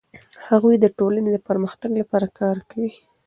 هغوی د ټولنې د پرمختګ لپاره کار کوي.